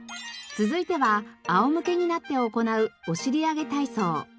続いては仰向けになって行うお尻上げ体操。